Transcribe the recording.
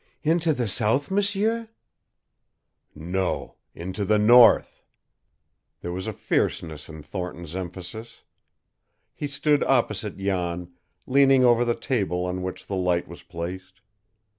"Into the South, m'sieur?" "No, into the NORTH." There was a fierceness in Thornton's emphasis. He stood opposite Jan, leaning over the table on which the light was placed.